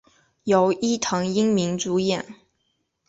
由伊藤英明主演。